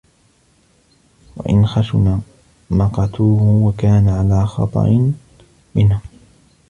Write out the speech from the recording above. وَإِنْ خَشُنَ مَقَتُوهُ وَكَانَ عَلَى خَطَرٍ مِنْهُمْ